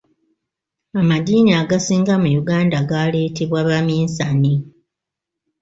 Amaddiini agasinga mu Uganda gaaleetebwa baminsani.